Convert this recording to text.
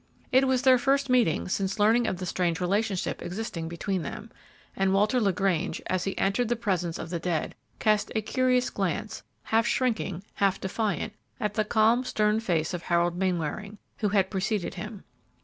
It was their first meeting since learning of the strange relationship existing between them, and Walter LaGrange, as he entered the presence of the dead, cast a curious glance, half shrinking, half defiant, at the calm, stern face of Harold Mainwaring, who had preceded him.